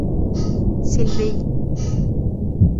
سلبي